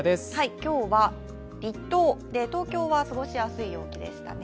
今日は立冬、東京は過ごしやすい陽気でしたね。